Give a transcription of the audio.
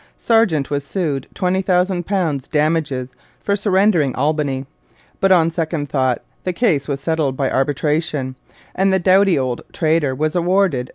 Sargeant was sued in £20,000 damages for surrendering Albany; but on second thought, the case was settled by arbitration, and the doughty old trader was awarded £350.